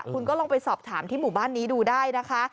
คุณก็ลองไปสอบถามที่หมู่บ้านนี้ดูได้นะคะ